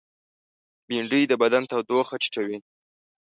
بېنډۍ د بدن تودوخه ټیټوي